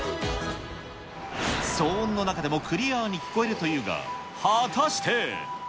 騒音の中でもクリアに聴こえるというが、果たして。